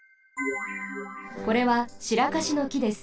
これはシラカシのきです。